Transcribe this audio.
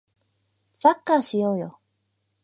サッカーしようよ